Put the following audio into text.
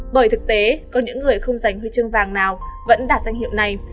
bởi thực tế có những người không giành huy chương vàng nào vẫn đạt danh hiệu này